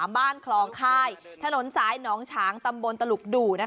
บ้านคลองค่ายถนนสายหนองฉางตำบลตลุกดู่